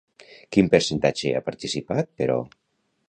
Quin percentatge hi ha participat, però?